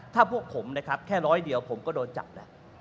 ถ้าพวกผมนะครับแค่ร้อยเดียวผมก็โดนจับแล้ว